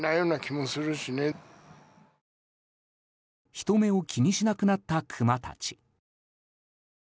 人目を気にしなくなったクマたち。